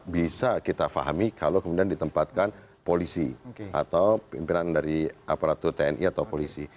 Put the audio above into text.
bisa kita fahami kalau kemudian ditempatkan polisi atau pimpinan dari aparatur tni atau polisi